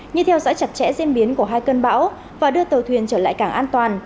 như theo dõi chặt chẽ diễn biến của hai cơn bão và đưa tàu thuyền trở lại cảng an toàn